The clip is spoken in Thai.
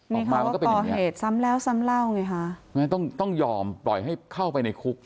นี่ค่ะก่อเหตุซ้ำแล้วซ้ำเล่าไงฮะต้องต้องยอมปล่อยให้เข้าไปในคุก